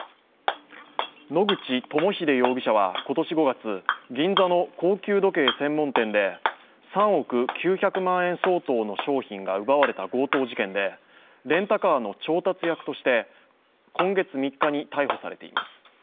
野口朋秀容疑者は今年５月、銀座の高級時計専門店で３億９００万円相当の商品が奪われた強盗事件でレンタカーの調達役として今月３日に逮捕されています。